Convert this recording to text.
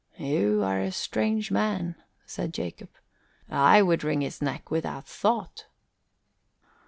"You are a strange man," said Jacob. "I would wring his neck without thought."